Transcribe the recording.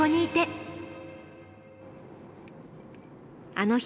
「あの日」